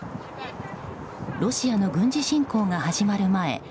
ロシアの軍事侵攻が始まる前